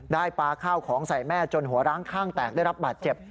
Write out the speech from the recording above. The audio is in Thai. ปลาข้าวของใส่แม่จนหัวร้างข้างแตกได้รับบาดเจ็บ